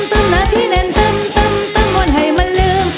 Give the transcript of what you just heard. ตรงนาทีแน่นตรงมันให้มันลืม